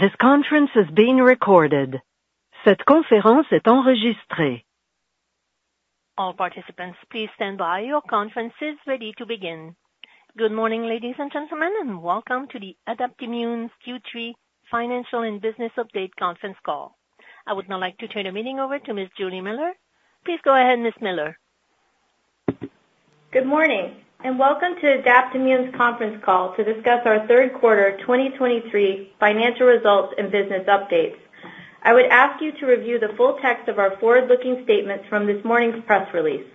All participants, please stand by. Your conference is ready to begin. Good morning, ladies and gentlemen, and welcome to the Adaptimmune's Q3 Financial and Business Update conference call. I would now like to turn the meeting over to Ms. Juli Miller. Please go ahead, Ms. Miller. Good morning, and welcome to Adaptimmune's conference call to discuss our third quarter 2023 financial results and business updates. I would ask you to review the full text of our forward-looking statements from this morning's press release.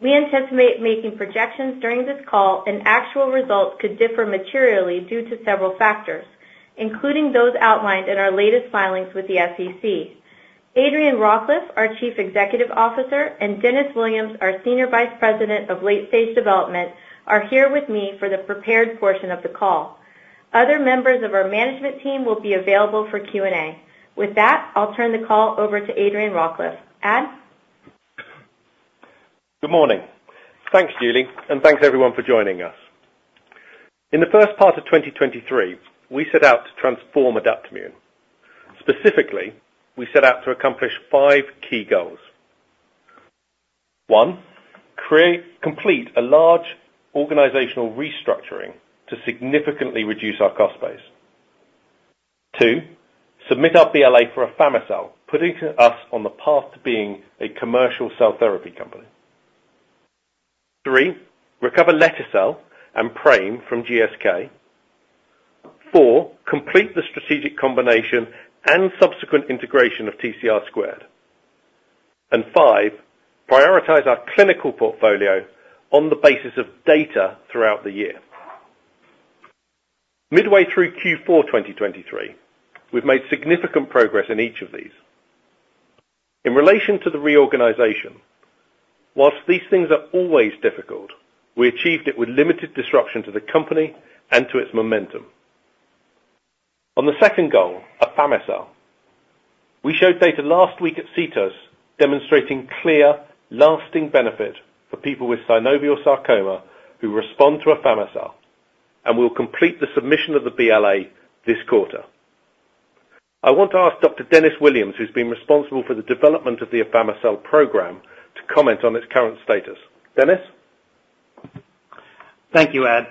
We anticipate making projections during this call, and actual results could differ materially due to several factors, including those outlined in our latest filings with the SEC. Adrian Rawcliffe, our Chief Executive Officer, and Dennis Williams, our Senior Vice President of Late-Stage Development, are here with me for the prepared portion of the call. Other members of our management team will be available for Q&A. With that, I'll turn the call over to Adrian Rawcliffe. Ad? Good morning. Thanks, Juli, and thanks everyone for joining us. In the first part of 2023, we set out to transform Adaptimmune. Specifically, we set out to accomplish five key goals. One, complete a large organizational restructuring to significantly reduce our cost base. Two, submit our BLA for Afami-cel, putting us on the path to being a commercial cell therapy company. Three, recover Lete-cel and PRAME from GSK. Four, complete the strategic combination and subsequent integration of TCR². And five, prioritize our clinical portfolio on the basis of data throughout the year. Midway through Q4 2023, we've made significant progress in each of these. In relation to the reorganization, while these things are always difficult, we achieved it with limited disruption to the company and to its momentum. On the second goal, Afami-cel, we showed data last week at CTOS, demonstrating clear, lasting benefit for people with synovial sarcoma who respond to Afami-cel, and we'll complete the submission of the BLA this quarter. I want to ask Dr. Dennis Williams, who's been responsible for the development of the Afami-cel program, to comment on its current status. Dennis? Thank you, Ad.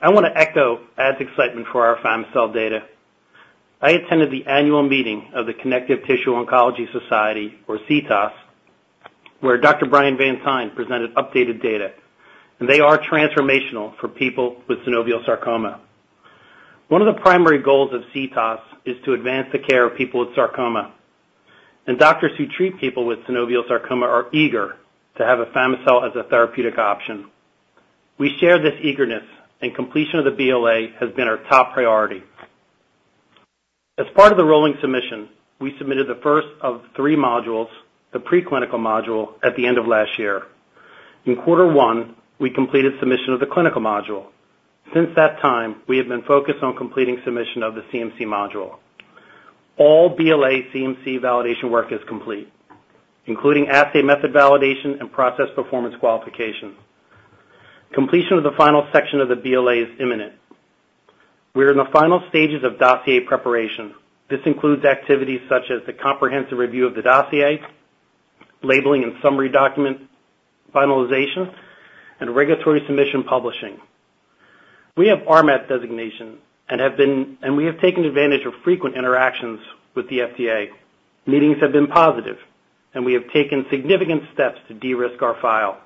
I want to echo Ad's excitement for our Afami-cel data. I attended the annual meeting of the Connective Tissue Oncology Society, or CTOS, where Dr. Brian Van Tine presented updated data, and they are transformational for people with synovial sarcoma. One of the primary goals of CTOS is to advance the care of people with sarcoma, and doctors who treat people with synovial sarcoma are eager to have Afami-cel as a therapeutic option. We share this eagerness, and completion of the BLA has been our top priority. As part of the rolling submission, we submitted the first of three modules, the preclinical module, at the end of last year. In quarter one, we completed submission of the clinical module. Since that time, we have been focused on completing submission of the CMC module. All BLA CMC validation work is complete, including assay method validation and process performance qualification. Completion of the final section of the BLA is imminent. We are in the final stages of dossier preparation. This includes activities such as the comprehensive review of the dossier, labeling and summary document finalization, and regulatory submission publishing. We have RMAT designation and have taken advantage of frequent interactions with the FDA. Meetings have been positive, and we have taken significant steps to de-risk our file.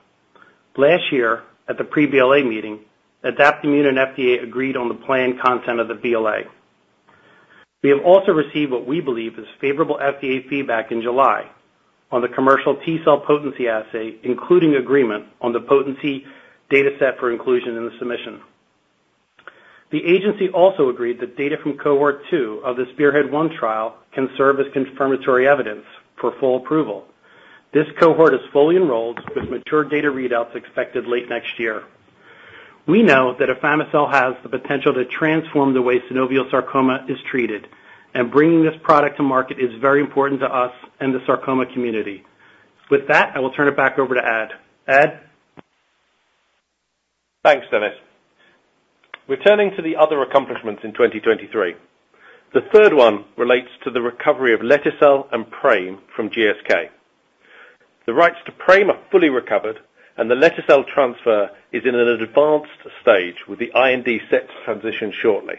Last year, at the pre-BLA meeting, Adaptimmune and FDA agreed on the planned content of the BLA. We have also received what we believe is favorable FDA feedback in July on the commercial T-cell potency assay, including agreement on the potency dataset for inclusion in the submission. The agency also agreed that data from Cohort 2 of the SPEARHEAD-1 trial can serve as confirmatory evidence for full approval. This cohort is fully enrolled, with mature data readouts expected late next year. We know that Afami-cel has the potential to transform the way synovial sarcoma is treated, and bringing this product to market is very important to us and the sarcoma community. With that, I will turn it back over to Ad. Ad? Thanks, Dennis. Returning to the other accomplishments in 2023, the third one relates to the recovery of Lete-cel and PRAME from GSK. The rights to PRAME are fully recovered, and the Lete-cel transfer is in an advanced stage, with the IND set to transition shortly.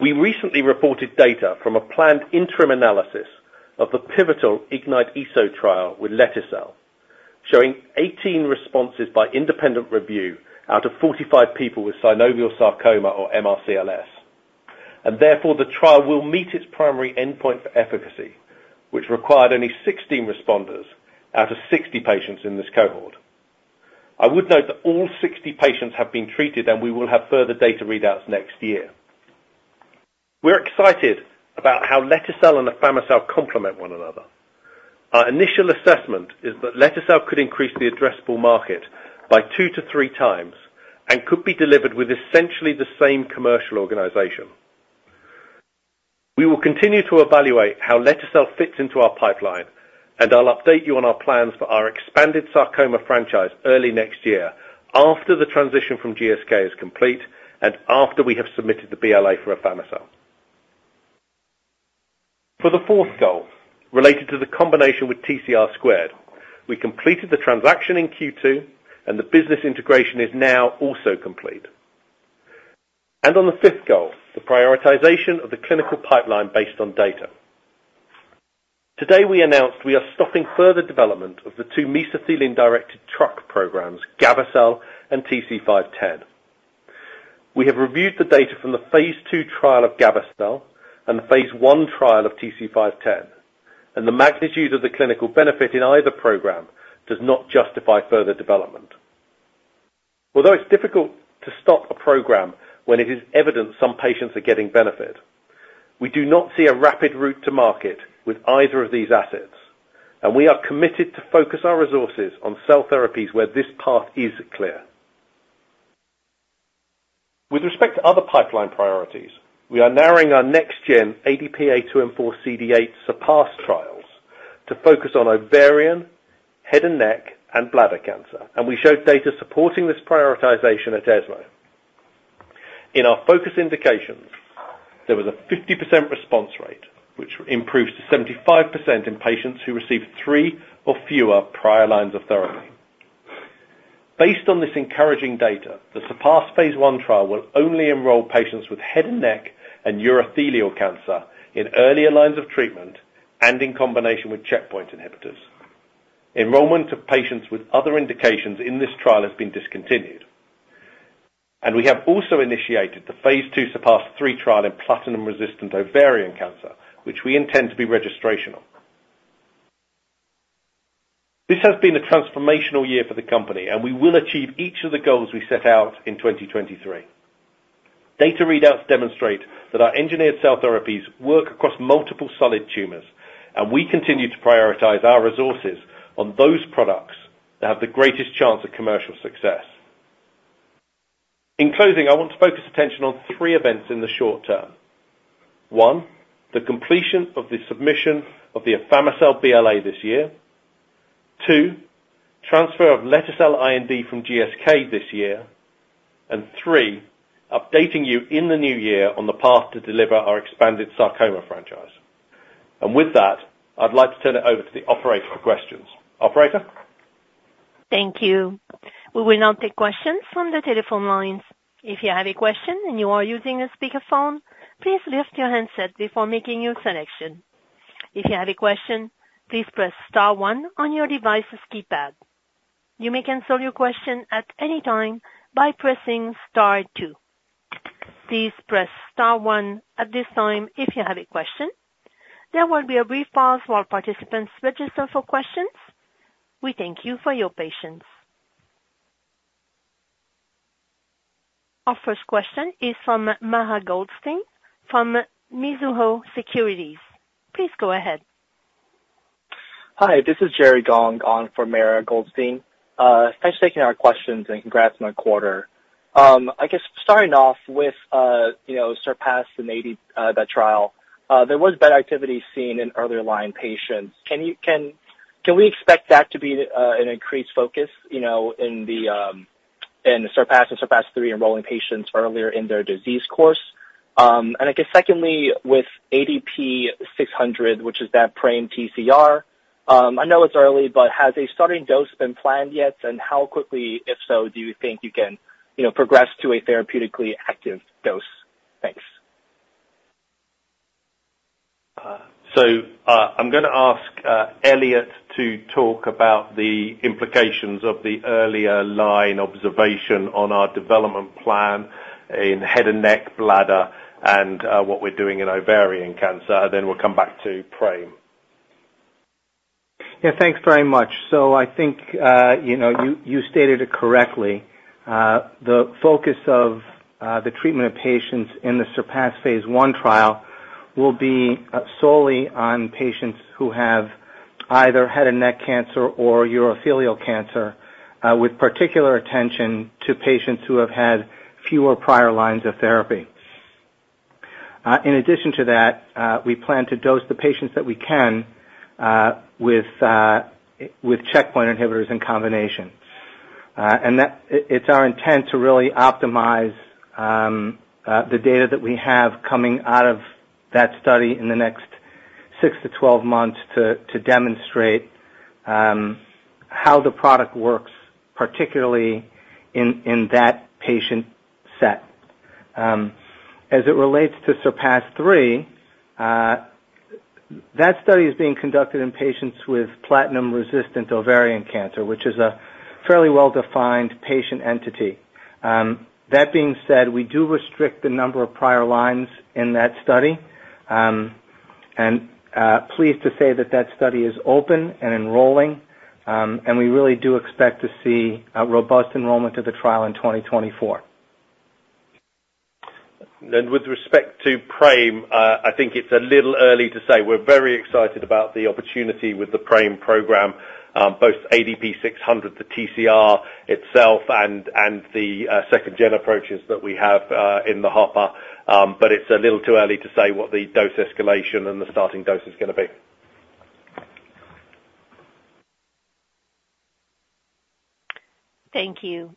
We recently reported data from a planned interim analysis of the pivotal IGNYTE-ESO trial with Lete-cel, showing 18 responses by independent review out of 45 people with synovial sarcoma or MRCLS. Therefore, the trial will meet its primary endpoint for efficacy, which required only 16 responders out of 60 patients in this cohort. I would note that all 60 patients have been treated, and we will have further data readouts next year. We're excited about how Lete-cel and Afami-cel complement one another. Our initial assessment is that Lete-cel could increase the addressable market by two to three times and could be delivered with essentially the same commercial organization. We will continue to evaluate how Lete-cel fits into our pipeline, and I'll update you on our plans for our expanded sarcoma franchise early next year, after the transition from GSK is complete and after we have submitted the BLA for Afami-cel. For the fourth goal, related to the combination with TCR², we completed the transaction in Q2, and the business integration is now also complete. On the fifth goal, the prioritization of the clinical pipeline based on data. Today, we announced we are stopping further development of the two mesothelin-directed TRuC programs, Gavo-cel and TC-510. We have reviewed the data from the phase II trial of Gavo-cel and the phase I trial of TC-510, and the magnitude of the clinical benefit in either program does not justify further development. Although it's difficult to stop a program when it is evident some patients are getting benefit, we do not see a rapid route to market with either of these assets, and we are committed to focus our resources on cell therapies where this path is clear. With respect to other pipeline priorities, we are narrowing our next-gen ADP-A2M4CD8 SURPASS trials to focus on ovarian, head and neck, and bladder cancer, and we showed data supporting this prioritization at ESMO. In our focus indications, there was a 50% response rate, which improves to 75% in patients who received three or fewer prior lines of therapy. Based on this encouraging data, the SURPASS phase I trial will only enroll patients with head and neck and urothelial cancer in earlier lines of treatment and in combination with checkpoint inhibitors. Enrollment of patients with other indications in this trial has been discontinued, and we have also initiated the phase II SURPASS-3 trial in platinum-resistant ovarian cancer, which we intend to be registrational. This has been a transformational year for the company, and we will achieve each of the goals we set out in 2023. Data readouts demonstrate that our engineered cell therapies work across multiple solid tumors, and we continue to prioritize our resources on those products that have the greatest chance of commercial success. In closing, I want to focus attention on three events in the short term. One, the completion of the submission of the Afami-cel BLA this year. Two, transfer of Lete-cel IND from GSK this year. And three, updating you in the new year on the path to deliver our expanded sarcoma franchise. And with that, I'd like to turn it over to the operator for questions. Operator? Thank you. We will now take questions from the telephone lines. If you have a question and you are using a speakerphone, please lift your handset before making your selection. If you have a question, please press star one on your device's keypad. You may cancel your question at any time by pressing star two. Please press star one at this time if you have a question. There will be a brief pause while participants register for questions. We thank you for your patience. Our first question is from Mara Goldstein from Mizuho Securities. Please go ahead. Hi, this is Jerry Gong on for Mara Goldstein. Thanks for taking our questions, and congrats on the quarter. I guess starting off with, you know, SURPASS and [ADP] trial, there was better activity seen in earlier line patients. Can we expect that to be an increased focus, you know, in the SURPASS and SURPASS-3, enrolling patients earlier in their disease course And I guess secondly, with ADP-600, which is that PRAME TCR, I know it's early, but has a starting dose been planned yet? And how quickly, if so, do you think you can, you know, progress to a therapeutically active dose? Thanks. So, I'm gonna ask Elliot to talk about the implications of the earlier line observation on our development plan in head and neck, bladder, and what we're doing in ovarian cancer, and then we'll come back to PRAME. Yeah, thanks very much. So I think, you know, you, you stated it correctly. The focus of the treatment of patients in the SURPASS phase I trial will be solely on patients who have either head and neck cancer or urothelial cancer, with particular attention to patients who have had fewer prior lines of therapy. In addition to that, we plan to dose the patients that we can, with checkpoint inhibitors in combination. And that—it's our intent to really optimize the data that we have coming out of that study in the next 6-12 months to demonstrate how the product works, particularly in that patient set. As it relates to SURPASS-3, that study is being conducted in patients with platinum-resistant ovarian cancer, which is a fairly well-defined patient entity. That being said, we do restrict the number of prior lines in that study, and pleased to say that that study is open and enrolling, and we really do expect to see a robust enrollment of the trial in 2024. Then with respect to PRAME, I think it's a little early to say. We're very excited about the opportunity with the PRAME program, both ADP-600, the TCR itself, and the second gen approaches that we have in the hopper. But it's a little too early to say what the dose escalation and the starting dose is gonna be. Thank you.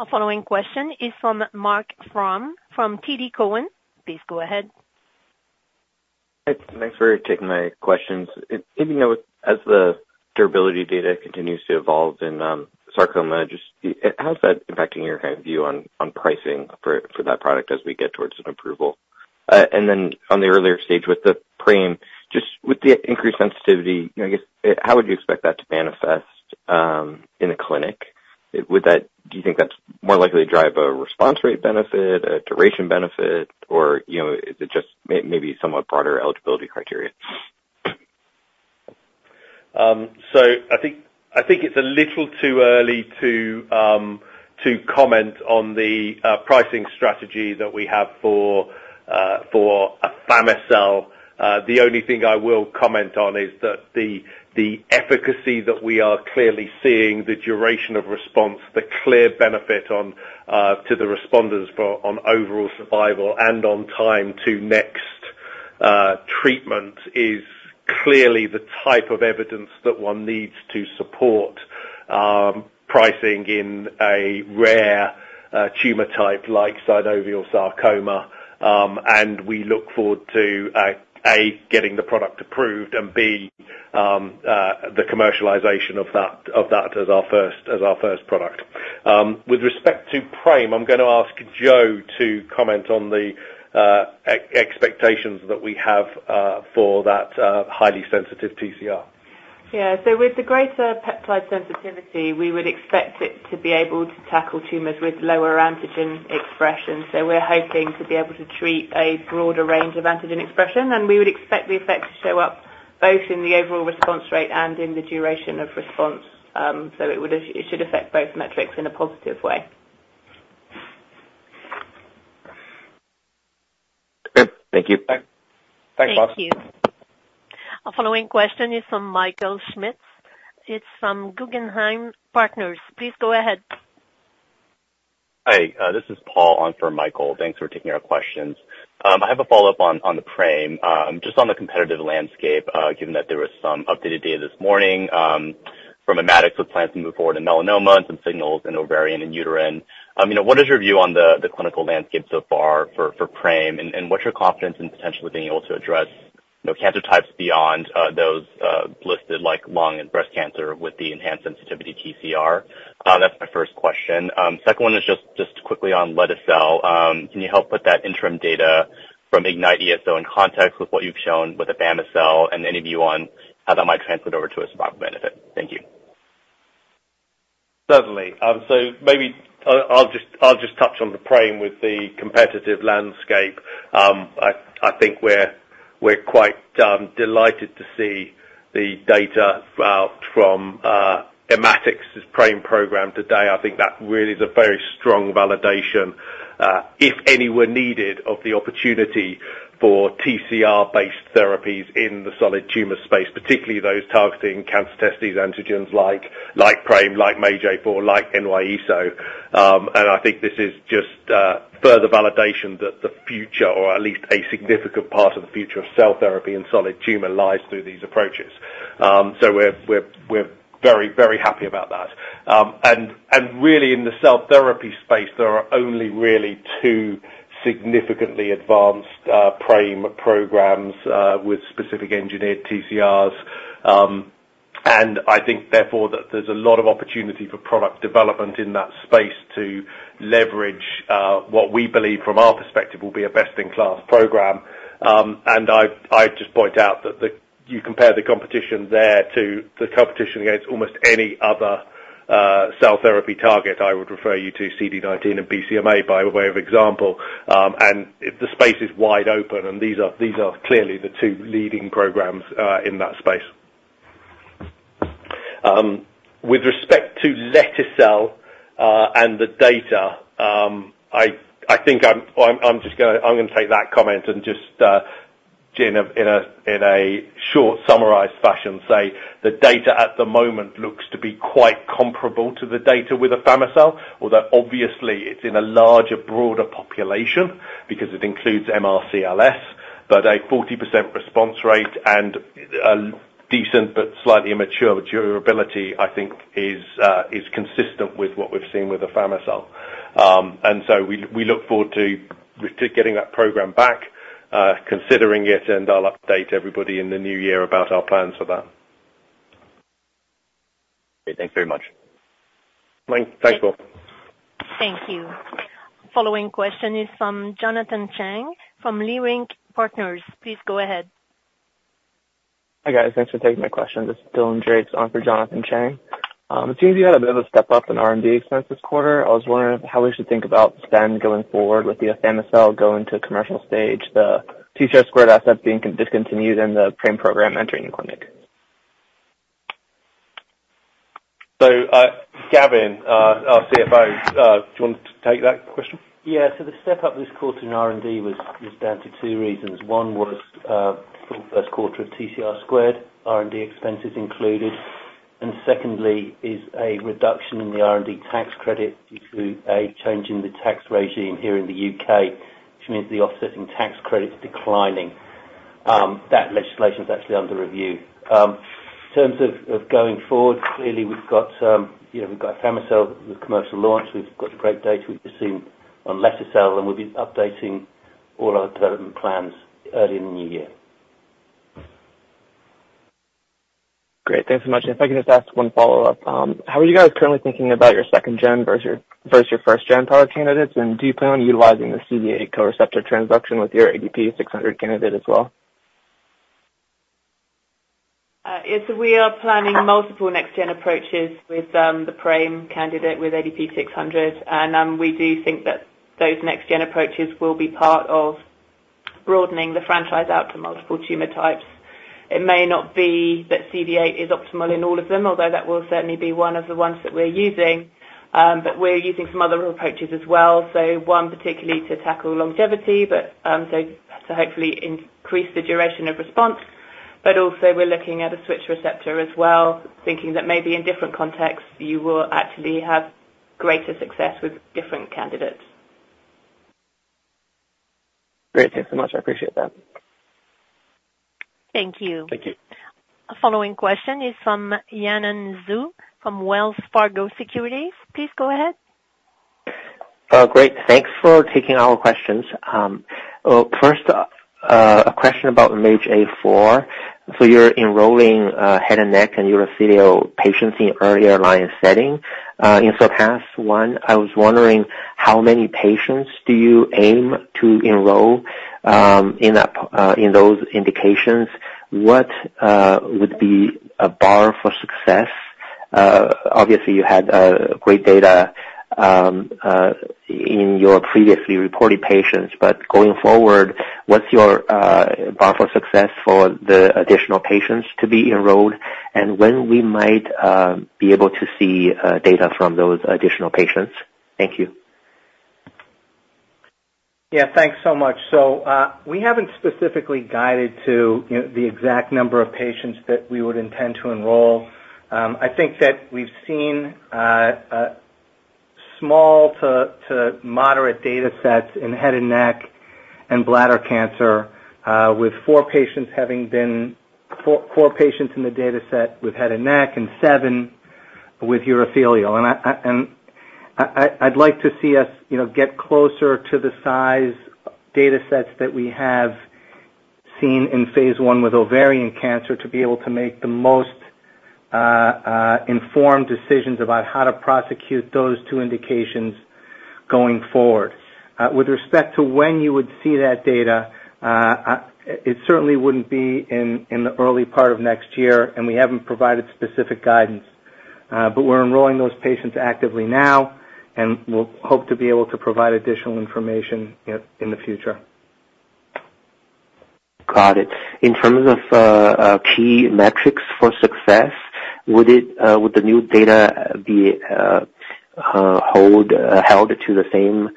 Our following question is from Marc Frahm from TD Cowen. Please go ahead. Hey, thanks for taking my questions. As the durability data continues to evolve in sarcoma, just how is that impacting your kind of view on pricing for that product as we get towards an approval? And then on the earlier stage with the PRAME, just with the increased sensitivity, you know, I guess, how would you expect that to manifest in a clinic? Would that do you think that's more likely to drive a response rate benefit, a duration benefit, or, you know, is it just maybe somewhat broader eligibility criteria? So I think it's a little too early to comment on the pricing strategy that we have for Afami-cel. The only thing I will comment on is that the efficacy that we are clearly seeing, the duration of response, the clear benefit to the responders on overall survival and on time to next treatment, is clearly the type of evidence that one needs to support pricing in a rare tumor type like synovial sarcoma. And we look forward to a, getting the product approved, and b, the commercialization of that as our first product. With respect to PRAME, I'm gonna ask Jo to comment on the expectations that we have for that highly sensitive TCR. Yeah. So with the greater peptide sensitivity, we would expect it to be able to tackle tumors with lower antigen expression. So we're hoping to be able to treat a broader range of antigen expression, and we would expect the effect to show up both in the overall response rate and in the duration of response. So it would, it should affect both metrics in a positive way. Great. Thank you. Bye. Thanks, Mark. Thank you. Our following question is from Michael Schmidt. It's from Guggenheim Partners. Please go ahead. Hi, this is Paul on for Michael. Thanks for taking our questions. I have a follow-up on the PRAME. Just on the competitive landscape, given that there was some updated data this morning from Immatics with plans to move forward in melanoma and some signals in ovarian and uterine. You know, what is your view on the clinical landscape so far for PRAME? And what's your confidence in potentially being able to address, you know, cancer types beyond those listed like lung and breast cancer with the enhanced sensitivity TCR? That's my first question. Second one is just quickly on Lete-cel. Can you help put that interim data from IGNYTE-ESO in context with what you've shown with Afami-cel, and any view on how that might translate over to a survival benefit? Thank you. Certainly. So maybe I'll just touch on the PRAME with the competitive landscape. I think we're quite delighted to see the data from Immatics' PRAME program today. I think that really is a very strong validation, if any were needed, of the opportunity for TCR-based therapies in the solid tumor space, particularly those targeting cancer testis antigens like PRAME, like MAGE-A4, like NY-ESO. And I think this is just further validation that the future, or at least a significant part of the future of cell therapy and solid tumor, lies through these approaches. So we're very happy about that. And really, in the cell therapy space, there are only really two significantly advanced PRAME programs with specific engineered TCRs. I think, therefore, that there's a lot of opportunity for product development in that space to leverage what we believe from our perspective will be a best-in-class program. And I've, I just point out that the... You compare the competition there to the competition against almost any other cell therapy target, I would refer you to CD19 and BCMA by way of example. And the space is wide open, and these are, these are clearly the two leading programs in that space. With respect to Lete-cel, and the data, I think I'm just gonna take that comment and just in a short, summarized fashion, say the data at the moment looks to be quite comparable to the data with Afami-cel, although obviously it's in a larger, broader population because it includes MRCLS. But a 40% response rate and a decent but slightly immature durability, I think, is consistent with what we've seen with Afami-cel. And so we look forward to getting that program back, considering it, and I'll update everybody in the new year about our plans for that. Okay, thanks very much. Thanks, Paul. Thank you. Following question is from Jonathan Chang from Leerink Partners. Please go ahead. Hi, guys. Thanks for taking my questions. This is Dylan Drakes on for Jonathan Chang. It seems you had a bit of a step up in R&D expense this quarter. I was wondering how we should think about spend going forward with the Afami-cel going to commercial stage, the TCR² asset being discontinued, and the PRAME program entering the clinic?... So, Gavin, our CFO, do you want to take that question? Yeah. So the step up this quarter in R&D was down to two reasons. One was first quarter of TCR², R&D expenses included, and secondly is a reduction in the R&D tax credit due to a change in the tax regime here in the U.K., which means the offsetting tax credit is declining. That legislation is actually under review. In terms of going forward, clearly, we've got, you know, we've got Afami-cel with commercial launch. We've got great data we've seen on Lete-cel, and we'll be updating all our development plans early in the new year. Great. Thanks so much. If I could just ask one follow-up. How are you guys currently thinking about your second gen versus your, versus your first gen product candidates? And do you plan on utilizing the CD8 co-receptor transduction with your ADP-600 candidate as well? Yes, we are planning multiple next gen approaches with the PRAME candidate with ADP-600. And we do think that those next gen approaches will be part of broadening the franchise out to multiple tumor types. It may not be that CD8 is optimal in all of them, although that will certainly be one of the ones that we're using. But we're using some other approaches as well. So one, particularly to tackle longevity, but so to hopefully increase the duration of response. But also we're looking at a switch receptor as well, thinking that maybe in different contexts, you will actually have greater success with different candidates. Great, thanks so much. I appreciate that. Thank you. Thank you. The following question is from Yanan Zhu, from Wells Fargo Securities. Please go ahead. Great, thanks for taking our questions. First, a question about MAGE-A4. So you're enrolling head and neck and urothelial patients in earlier line setting in SURPASS-1. I was wondering, how many patients do you aim to enroll in those indications? What would be a bar for success? Obviously, you had great data in your previously reported patients, but going forward, what's your bar for success for the additional patients to be enrolled? And when we might be able to see data from those additional patients? Thank you. Yeah, thanks so much. So, we haven't specifically guided to, you know, the exact number of patients that we would intend to enroll. I think that we've seen a small to moderate data sets in head and neck and bladder cancer, with four patients having been... four patients in the dataset with head and neck and seven with urothelial. And I'd like to see us, you know, get closer to the size data sets that we have seen in phase I with ovarian cancer, to be able to make the most informed decisions about how to prosecute those two indications going forward. With respect to when you would see that data, it certainly wouldn't be in the early part of next year, and we haven't provided specific guidance. But we're enrolling those patients actively now, and we'll hope to be able to provide additional information, you know, in the future. Got it. In terms of key metrics for success, would the new data be held to the same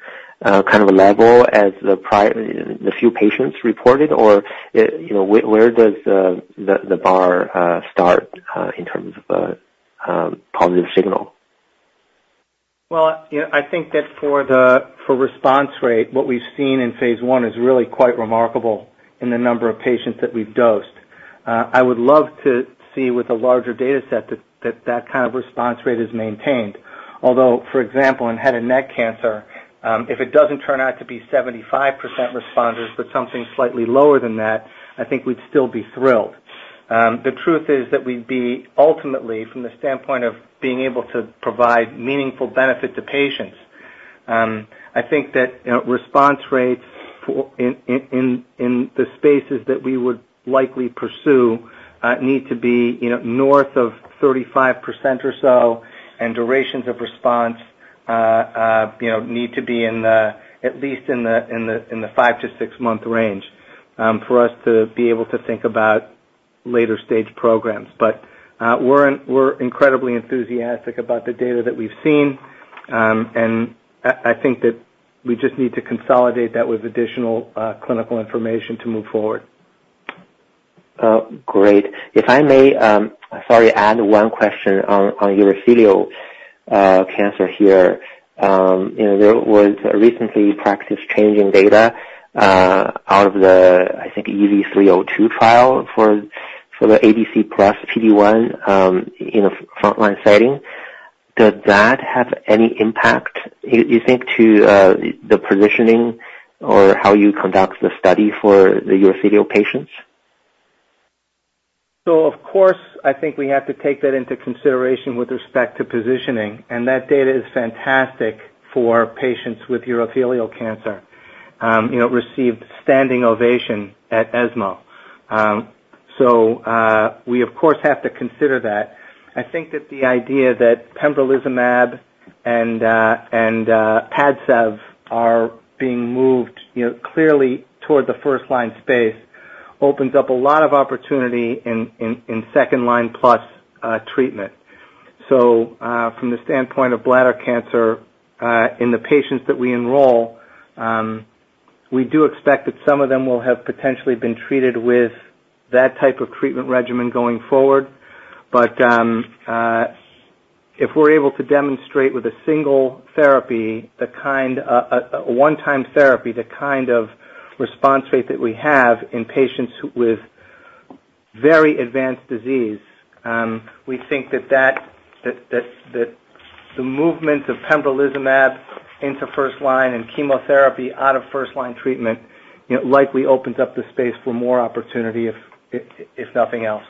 kind of a level as the few patients reported? Or, you know, where does the bar start in terms of positive signal? Well, you know, I think that for the, for response rate, what we've seen in phase I is really quite remarkable in the number of patients that we've dosed. I would love to see with a larger data set that kind of response rate is maintained. Although, for example, in head and neck cancer, if it doesn't turn out to be 75% responders, but something slightly lower than that, I think we'd still be thrilled. The truth is that we'd be ultimately, from the standpoint of being able to provide meaningful benefit to patients, I think that, you know, response rates for the spaces that we would likely pursue need to be, you know, north of 35% or so, and durations of response, you know, need to be at least in the five to six month range, for us to be able to think about later stage programs. But we're incredibly enthusiastic about the data that we've seen. And I think that we just need to consolidate that with additional clinical information to move forward. Great. If I may, sorry, add one question on urothelial cancer here. You know, there was recently practice-changing data out of the, I think, EV-302 trial for the ADC plus PD-1 in a frontline setting. Does that have any impact, you think, to the positioning or how you conduct the study for the urothelial patients? So, of course, I think we have to take that into consideration with respect to positioning, and that data is fantastic for patients with urothelial cancer. You know, received standing ovation at ESMO. So, we of course have to consider that. I think that the idea that pembrolizumab and PADCEV are being moved, you know, clearly toward the first line space opens up a lot of opportunity in second line plus treatment. So, from the standpoint of bladder cancer, in the patients that we enroll, we do expect that some of them will have potentially been treated with that type of treatment regimen going forward. But, if we're able to demonstrate with a single therapy, the kind of a one-time therapy, the kind of response rate that we have in patients with very advanced disease, we think that the movement of pembrolizumab into first line and chemotherapy out of first line treatment, you know, likely opens up the space for more opportunity, if nothing else.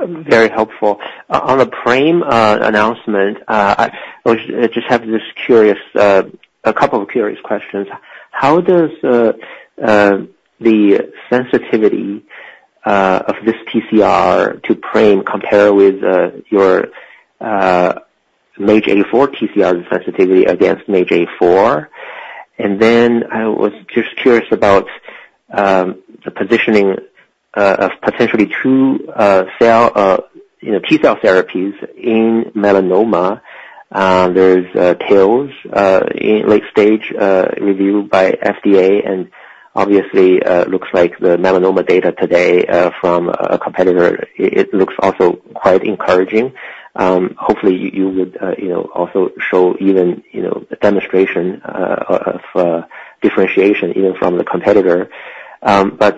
Very helpful. On the PRAME announcement, I just have this curious, a couple of curious questions. How does the sensitivity of this TCR to PRAME compare with your MAGE-A4 TCR sensitivity against MAGE-A4? And then I was just curious about the positioning of potentially two cell, you know, T-cell therapies in melanoma. There's TILs in late-stage review by FDA, and obviously looks like the melanoma data today from a competitor. It looks also quite encouraging. Hopefully, you would, you know, also show even, you know, a demonstration of differentiation, even from the competitor. But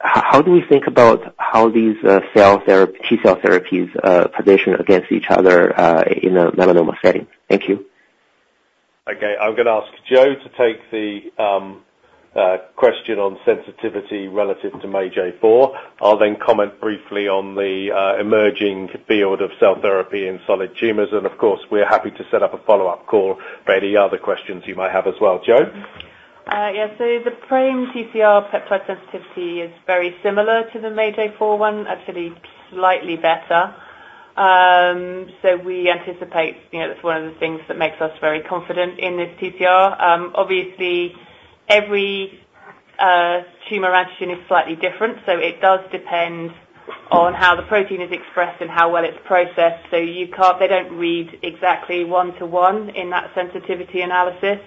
how do you think about how these cell therapy, T-cell therapies position against each other in a melanoma setting? Thank you. Okay. I'm gonna ask Jo to take the question on sensitivity relative to MAGE-A4. I'll then comment briefly on the emerging field of cell therapy in solid tumors, and of course, we're happy to set up a follow-up call for any other questions you might have as well. Jo? Yes. So the PRAME TCR peptide sensitivity is very similar to the MAGE-A4 one, actually slightly better. So we anticipate, you know, that's one of the things that makes us very confident in this TCR. Obviously, every tumor antigen is slightly different, so it does depend on how the protein is expressed and how well it's processed. So you can't—they don't read exactly one to one in that sensitivity analysis.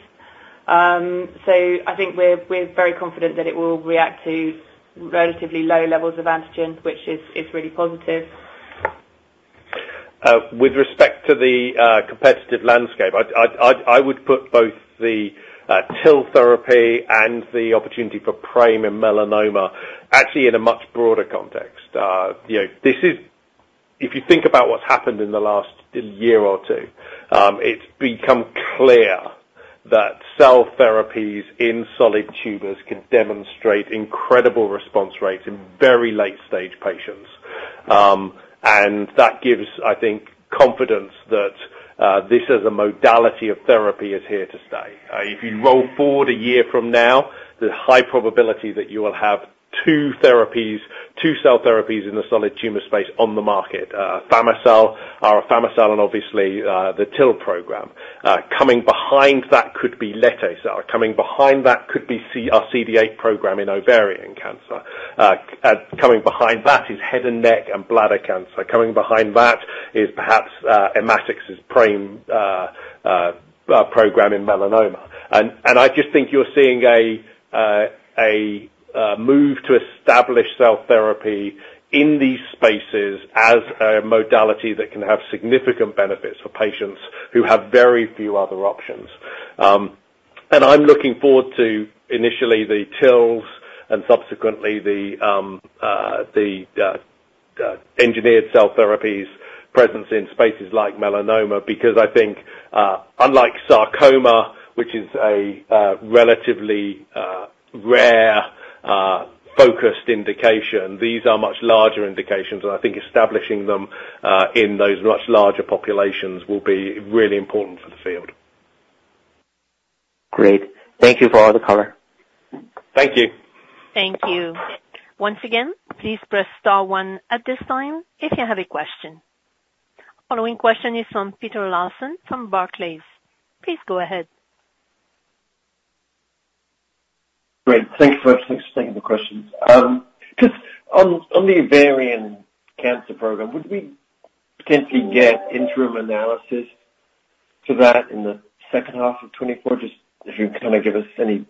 So I think we're, we're very confident that it will react to relatively low levels of antigen, which is, is really positive. With respect to the competitive landscape, I would put both the TIL therapy and the opportunity for PRAME and melanoma actually in a much broader context. You know, this is. If you think about what's happened in the last year or two, it's become clear that cell therapies in solid tumors can demonstrate incredible response rates in very late stage patients. And that gives, I think, confidence that this as a modality of therapy is here to stay. If you roll forward a year from now, the high probability that you will have two therapies, two cell therapies in the solid tumor space on the market, Afami-cel, or Afami-cel and obviously, the TIL program. Coming behind that could be Lete-cel. Coming behind that could be our CD8 program in ovarian cancer. Coming behind that is head and neck and bladder cancer. Coming behind that is perhaps Immatics' PRAME program in melanoma. And I just think you're seeing a move to establish cell therapy in these spaces as a modality that can have significant benefits for patients who have very few other options. And I'm looking forward to initially the TILs and subsequently the engineered cell therapies presence in spaces like melanoma, because I think, unlike sarcoma, which is a relatively rare focused indication, these are much larger indications, and I think establishing them in those much larger populations will be really important for the field. Great, thank you for all the color. Thank you. Thank you. Once again, please press star one at this time if you have a question. Following question is from Peter Lawson from Barclays. Please go ahead. Great. Thank you for taking the questions. Just on, on the ovarian cancer program, would we potentially get interim analysis to that in the second half of 2024? Just if you kind of give us any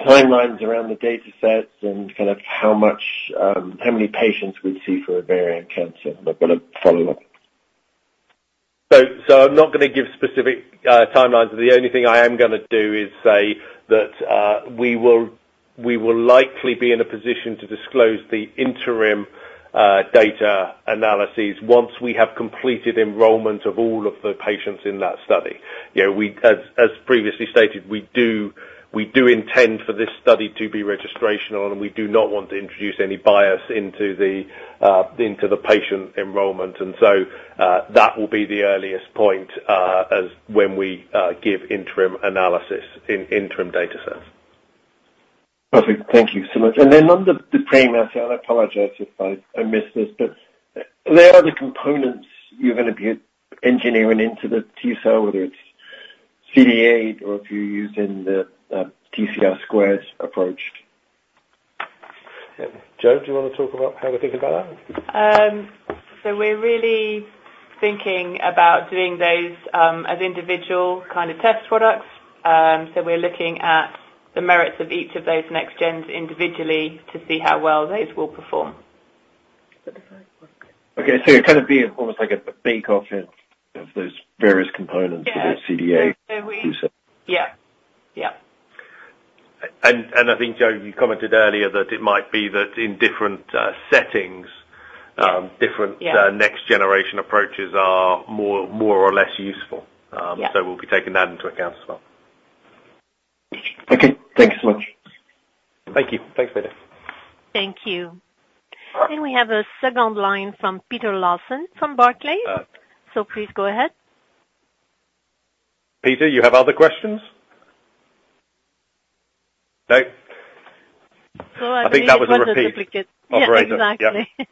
timelines around the data sets and kind of how many patients we'd see for ovarian cancer, but follow up? So, I'm not gonna give specific timelines. The only thing I am gonna do is say that we will likely be in a position to disclose the interim data analysis once we have completed enrollment of all of the patients in that study. You know, as previously stated, we do intend for this study to be registrational, and we do not want to introduce any bias into the patient enrollment. So, that will be the earliest point as when we give interim analysis in interim data sets. Perfect. Thank you so much. And then on the PRAME, I apologize if I missed this, but there are the components you're gonna be engineering into the T-cell, whether it's CD8, or if you're using the TCR² approach? Jo, do you want to talk about how we think about that? So we're really thinking about doing those, as individual kind of test products. So we're looking at the merits of each of those next gens individually to see how well those will perform. Okay. So it kind of be almost like a bake off of, of those various components- Yeah. -of the CD8. Yeah. Yeah. I think, Jo, you commented earlier that it might be that in different settings, Yeah. -different, next generation approaches are more or less useful. Yeah. So we'll be taking that into account as well. Okay. Thank you so much. Thank you. Thanks for this. Thank you. We have a second line from Peter Lawson from Barclays. Please go ahead. Peter, you have other questions? No. So I believe- I think that was a repeat. Duplicate. Operator. Yeah, exactly.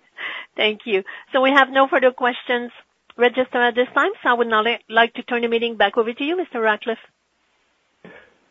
Thank you. So we have no further questions registered at this time, so I would now like to turn the meeting back over to you, Mr. Rawcliffe.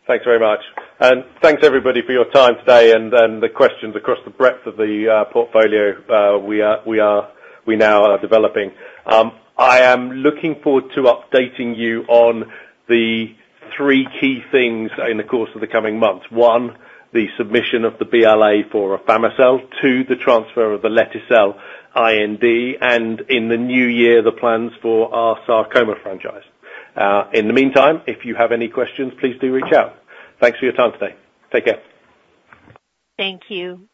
Thanks very much, and thanks everybody for your time today and the questions across the breadth of the portfolio we are now developing. I am looking forward to updating you on the three key things in the course of the coming months. One, the submission of the BLA for Afami-cel. Two, the transfer of the Lete-cel IND, and in the new year, the plans for our sarcoma franchise. In the meantime, if you have any questions, please do reach out. Thanks for your time today. Take care. Thank you.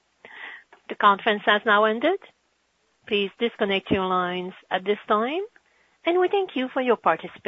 The conference has now ended. Please disconnect your lines at this time, and we thank you for your participation.